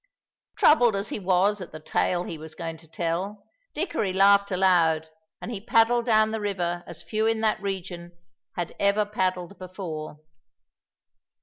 Troubled as he was at the tale he was going to tell, Dickory laughed aloud, and he paddled down the river as few in that region had ever paddled before.